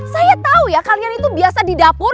saya tahu ya kalian itu biasa di dapur